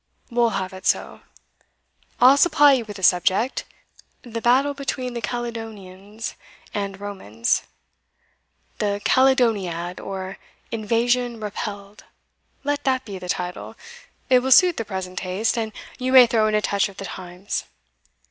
We'll have it so I'll supply you with a subject The battle between the Caledonians and Romans The Caledoniad; or, Invasion Repelled; let that be the title it will suit the present taste, and you may throw in a touch of the times."